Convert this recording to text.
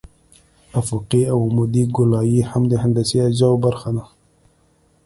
افقي او عمودي ګولایي هم د هندسي اجزاوو برخه ده